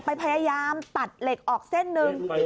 พยายามตัดเหล็กออกเส้นหนึ่ง